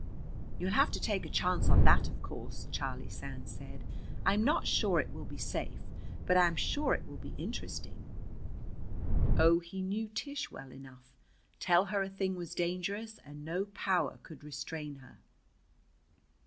"You'll have to take a chance on that, of course," Charlie Sands said. "I'm not sure it will be safe, but I am sure it will be interesting." Oh, he knew Tish well enough. Tell her a thing was dangerous, and no power could restrain her.